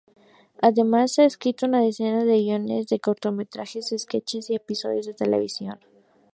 Además ha escrito una docena de guiones para cortometrajes, sketches, y episodios de televisión.